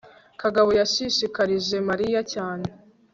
kagabo yashishikarije mariya cyane